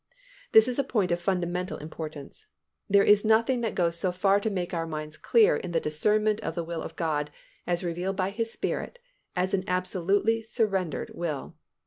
This is a point of fundamental importance. There is nothing that goes so far to make our minds clear in the discernment of the will of God as revealed by His Spirit as an absolutely surrendered will.